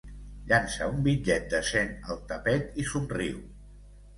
Llança un bitllet de cent al tapet i somriu.